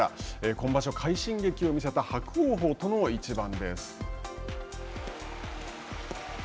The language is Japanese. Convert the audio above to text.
今場所、快進撃を見せた伯桜鵬との一番です。